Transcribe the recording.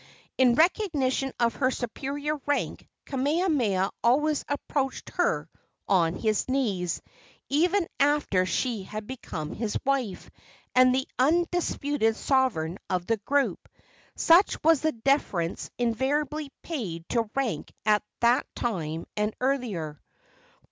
In recognition of her superior rank Kamehameha always approached her on his knees, even after she had become his wife and he the undisputed sovereign of the group. Such was the deference invariably paid to rank at that time and earlier.